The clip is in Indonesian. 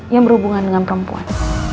yang berhubungan dengan perempuan